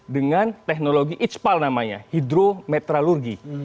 dengan teknologi ictspal namanya hidrometralurgi